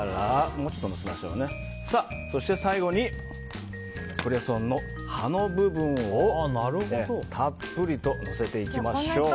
最後にクレソンの葉の部分をたっぷりとのせていきましょう。